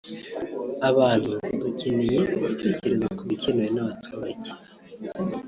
“Abantu dukeneye gutekereza ku bikenewe n’abaturage